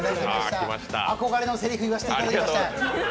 憧れのせりふ言わせていただきました。